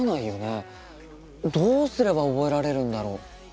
どうすれば覚えられるんだろう？